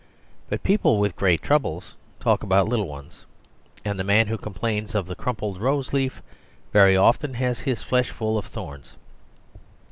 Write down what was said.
But people with great troubles talk about little ones, and the man who complains of the crumpled rose leaf very often has his flesh full of the thorns.